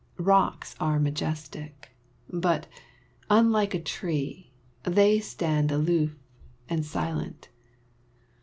Rocks are majestic; but, unlike a tree, They stand aloof, and silent.